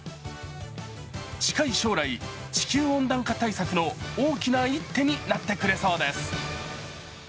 近い将来、地球温暖化対策の大きな一手になってくれそうです。